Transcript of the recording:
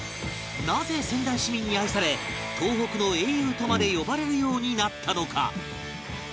なぜ仙台市民に愛され東北の英雄とまで呼ばれるようになったのか？